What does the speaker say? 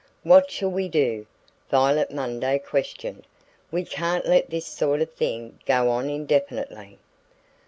"What shall we do?" Violet Munday questioned. "We can't let this sort of thing go on indefinitely."